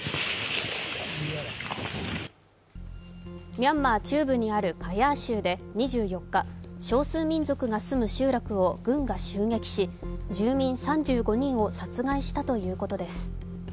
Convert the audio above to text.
ミャンマー中部にあるカヤー州で２４日、少数民族が住む集落を軍が襲撃し住民３５人を殺害したということです。